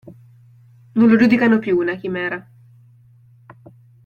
Non lo giudicano più una chimera.